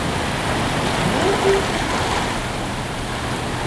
No giet my in ljocht op.